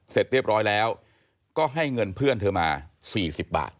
เสร็จเรียบร้อยแล้วก็ให้เงินเพื่อนเธอมา๔๐บาท